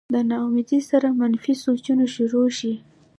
د نا امېدۍ سره منفي سوچونه شورو شي